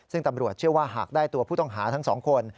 ซึ่งตำรวจเชื่อว่าหากได้ตัวผู้ต้องหาทั้งสองคน